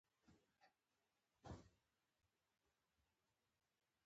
پاتې وخت چې هر ډول و، تېرېده، پروا مې نه لرله.